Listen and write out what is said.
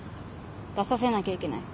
出させなきゃいけない。